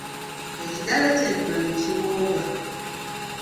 Ekidaala kyajjula ne kibooga.